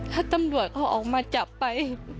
ถ้าตำรวจเขาออกมาจับไป